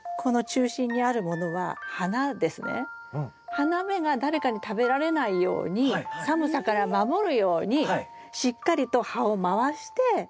花芽が誰かに食べられないように寒さから守るようにしっかりと葉を回して守ってるんですね。